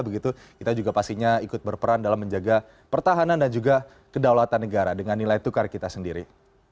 begitu kita juga pastinya ikut berperan dalam menjaga pertahanan dan juga kedaulatan negara dengan nilai tukar kita sendiri